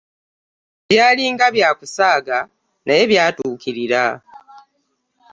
Byali nga bya kusaaga naye byatuukirira.